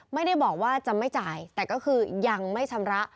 ไม่ได้บอกว่าจะไม่จ่ายแต่ก็คือยังไม่ชำระ